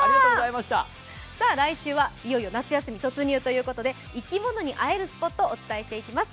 来週はいよいよ夏休み突入ということで、生き物に会えるスポットをお伝えしていきます。